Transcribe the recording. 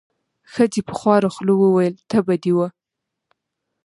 ښځې په خواره خوله وویل: تبه دې وه.